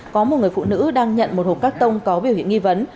có một người phụ nữ đang nhận một hộp cắt tông có biểu hiện nghi vấn